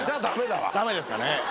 ダメですかね。